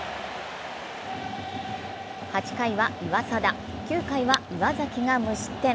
８回は岩貞、９回は岩崎が無失点。